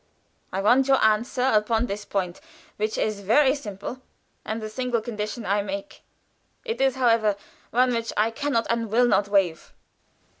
I want your answer upon this point, which is very simple, and the single condition I make. It is, however, one which I can not and will not waive."